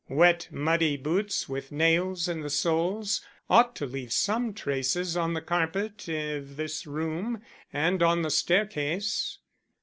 Wet muddy boots with nails in the soles ought to leave some traces on the carpet of this room and on the staircase."